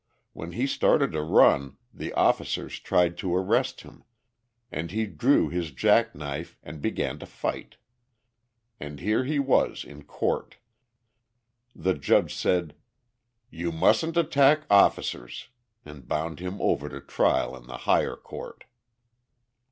When he started to run the officers tried to arrest him, and he drew his jack knife and began to fight. And here he was in court! The judge said: "You mustn't attack officers," and bound him over to trial in the higher court.